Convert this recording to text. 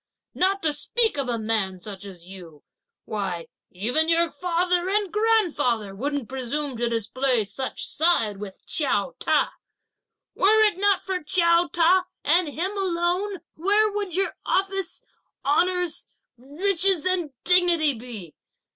Not to speak of a man such as you, why even your father and grandfather wouldn't presume to display such side with Chiao Ta. Were it not for Chiao Ta, and him alone, where would your office, honours, riches and dignity be?